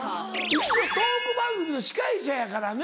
一応トーク番組の司会者やからね。